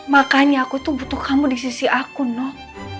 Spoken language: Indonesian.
makanya aku tuh butuh kamu di sisi aku nok